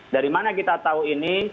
dari mana kita tahu ini